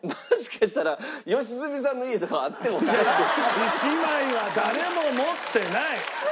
獅子舞は誰も持ってない！